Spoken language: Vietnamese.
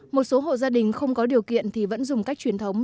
một số hộ gia đình không có điều kiện thì vẫn dùng cách truyền thống